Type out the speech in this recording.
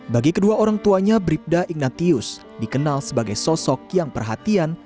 bagi kedua orang tuanya bribda ignatius dikenal sebagai sosok yang perhatian